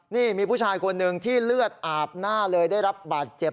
นี่มีผู้ชายคนหนึ่งที่เลือดอาบหน้าเลยได้รับบาดเจ็บ